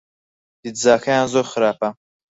پیتزاکەیان زۆر خراپە.